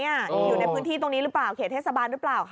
อยู่ในพื้นที่ตรงนี้หรือเปล่าเขตเทศบาลหรือเปล่า